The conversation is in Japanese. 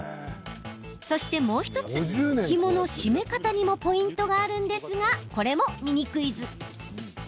そして、もう１つひもの締め方にもポイントがあるんですがこれもミニクイズ。